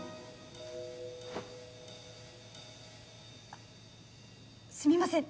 あっすみません。